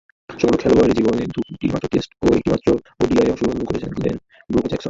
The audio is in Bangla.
সমগ্র খেলোয়াড়ী জীবনে দুইটিমাত্র টেস্ট ও একটিমাত্র ওডিআইয়ে অংশগ্রহণ করেছেন গ্লেন ব্রুক-জ্যাকসন।